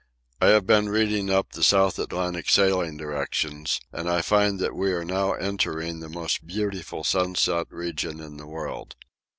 I have been reading up the South Atlantic Sailing Directions, and I find that we are now entering the most beautiful sunset region in the world.